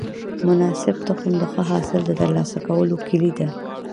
مناسب تخم د ښه حاصل د ترلاسه کولو کلي ده.